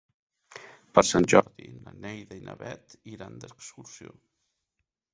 Per Sant Jordi na Neida i na Bet iran d'excursió.